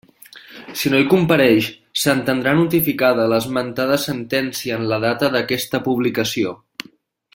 Si no hi compareix, s'entendrà notificada l'esmentada sentència en la data d'aquesta publicació.